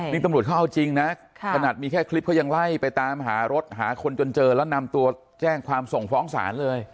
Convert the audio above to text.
นี่ตำรวจเขาเอาจริงนะขนาดมีแค่คลิปเขายังไล่ไปตามหารถหาคนจนเจอแล้วนำตัวแจ้งความส่งฟ้องศาลเลย